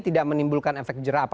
tidak menimbulkan efek jerahnya